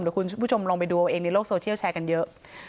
คุณผู้ชมลองไปดูเอาเองในโลกโซเชียลแชร์กันเยอะ